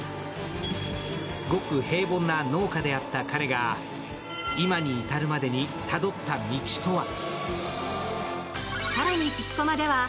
ごく平凡な農家であった彼が今に至るまでにたどった道とは？